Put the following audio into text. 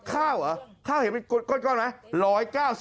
ข้าวเหรอข้าวเห็นเป็นก้อนไหม